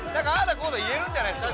こうだ言えるんじゃないですか？